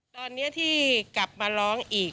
ตอนนี้ที่กลับมาร้องอีก